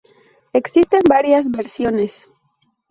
Existen varias versiones.